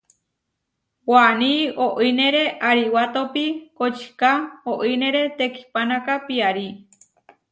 Waní oínere ariwátopi kočiká oínere tekihpánaka piarí.